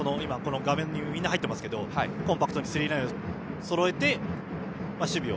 画面にみんな入っていますがコンパクトにスリーラインをそろえて守備を。